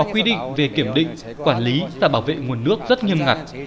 họ đã quyết định về kiểm định quản lý và bảo vệ nguồn nước rất nghiêm ngặt